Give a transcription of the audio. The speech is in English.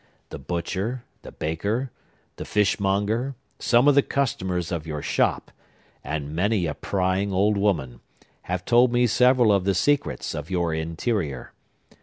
The butcher, the baker, the fish monger, some of the customers of your shop, and many a prying old woman, have told me several of the secrets of your interior.